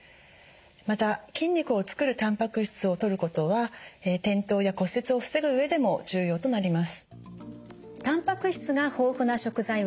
また筋肉をつくるたんぱく質をとることは転倒や骨折を防ぐ上でも重要となります。